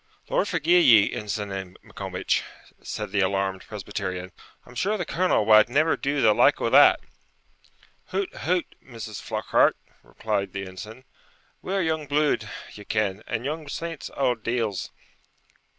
'Lord forgie ye, Ensign Maccombich,' said the alarmed Presbyterian; 'I'm sure the colonel wad never do the like o' that!' 'Hout! hout! Mrs. Flockhart,' replied the ensign, 'we're young blude, ye ken; and young saints, auld deils.'